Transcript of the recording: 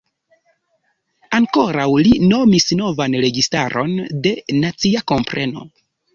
Ankoraŭ li nomis novan registaron de „nacia kompreno“.